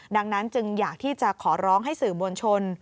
ดังนั้นจึงอยากที่จะขอร้องให้สื่อมวลชน